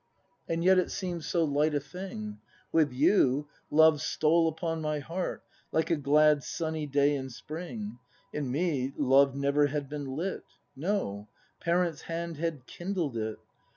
And yet it seem'd so light a thing; With you, love stole upon my heart Like a glad sunny day in Spring, In me Love never had been lit; No parents' hand had kindled it.